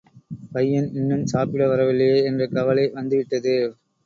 பையன் இன்னும் சாப்பிட வரவில்லையே? என்ற கவலை வந்து விட்டது.